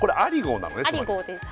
アリゴーです